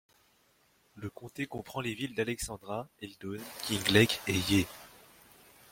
Le comté comprend les villes d'Alexandra, Eildon, Kinglake et Yea.